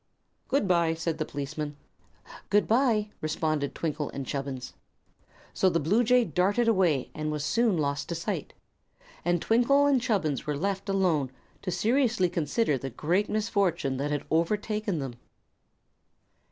"Good bye," said the policeman. "Good bye," responded Twinkle and Chubbins. So the bluejay darted away and was soon lost to sight, and Twinkle and Chubbins were left alone to seriously consider the great misfortune that had overtaken them.